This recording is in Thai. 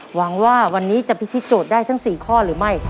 หวังว่าวันนี้จะพิธีโจทย์ได้ทั้ง๔ข้อหรือไม่